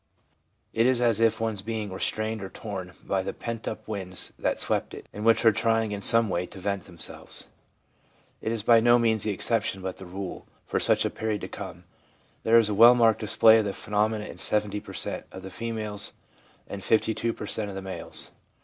It is as if one's being were strained or torn by the pent up winds that sweep it, and which are trying in some way to vent themselves. It is by no means the exception, but the rule, for such a period to come. There is a well marked display of the phenomenon in 70 per cent, of the females and 52 per cent, of the males.